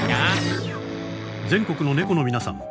全国のネコの皆さん。